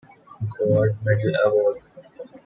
Gold Medal Award.